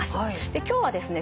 今日はですね